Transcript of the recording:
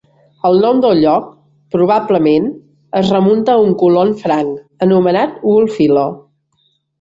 El nom del lloc probablement es remunta a un colon franc anomenat Wulfilo.